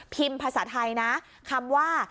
ภาษาไทยนะคำว่า